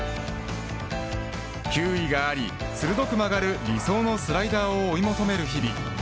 球威があり、鋭く曲がる理想のスライダーを追い求める日々。